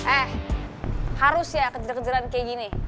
eh harus ya kejelan kejelan kayak gini